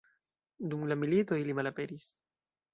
Dum la milito ili malaperis.